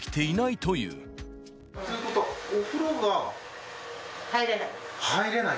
ということは、お風呂が？入れない。